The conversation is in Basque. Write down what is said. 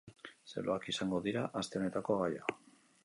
Zeloak izango dira aste honetako gaia.